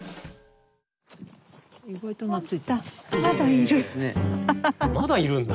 まだいるんだ！